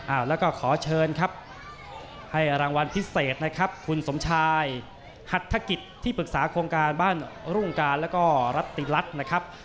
แล้วก็ขอเชิญครับให้รางวัลพิเศษนะครับคุณสมชายหัทธกิจที่ปรึกษาโครงการบ้านรุ่งการแล้วก็รัฐติรัฐนะครับ